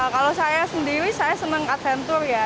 kalau saya sendiri saya senang adventure ya